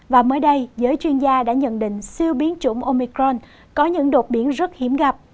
và mới đây giới chuyên gia đã nhận định siêu biến chủng omicron có những đột biến rất hiếm gặp